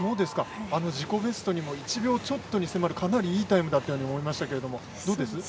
自己ベストにも１秒ちょっとに迫るかなりいいタイムだったように思いますが、どうです？